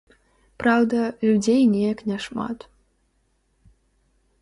Праўда, людзей неяк няшмат.